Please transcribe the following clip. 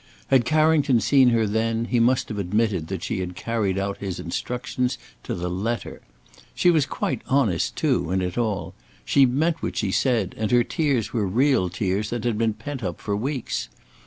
Had Carrington seen her then he must have admitted that she had carried out his instructions to the letter. She was quite honest, too, in it all. She meant what she said, and her tears were real tears that had been pent up for weeks.